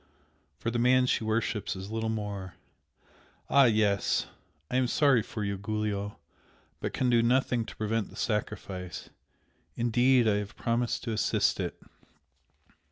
(for the man she worships is little more!) ah, yes! I am sorry for you, Giulio! but can do nothing to prevent the sacrifice, indeed, I have promised to assist it!"